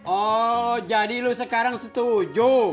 oh jadi lu sekarang setuju